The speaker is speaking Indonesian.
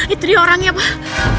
itu dia orangnya pak